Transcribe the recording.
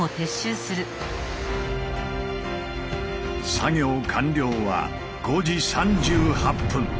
作業完了は５時３８分。